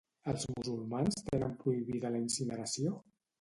Els musulmans tenen prohibida la incineració?